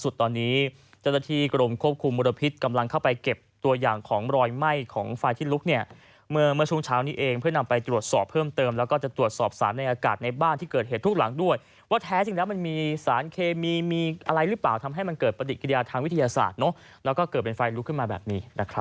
ตอนนี้เจ้าหน้าที่กรมควบคุมมลพิษกำลังเข้าไปเก็บตัวอย่างของรอยไหม้ของไฟที่ลุกเนี่ยเมื่อช่วงเช้านี้เองเพื่อนำไปตรวจสอบเพิ่มเติมแล้วก็จะตรวจสอบสารในอากาศในบ้านที่เกิดเหตุทุกหลังด้วยว่าแท้จริงแล้วมันมีสารเคมีมีอะไรหรือเปล่าทำให้มันเกิดปฏิกิริยาทางวิทยาศาสตร์แล้วก็เกิดเป็นไฟลุกขึ้นมาแบบนี้